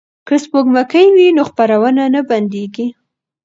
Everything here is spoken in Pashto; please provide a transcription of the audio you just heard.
که سپوږمکۍ وي نو خپرونه نه بندیږي.